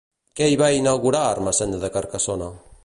Què hi va inaugurar Ermessenda de Carcassona?